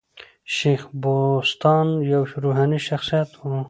شېخ بُستان یو روحاني شخصیت وو.